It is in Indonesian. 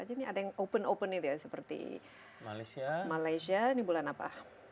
jadi ini ada yang open open seperti malaysia ini bulan apa